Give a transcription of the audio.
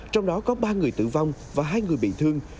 trong đó có ba người tử vong và hai người bị thương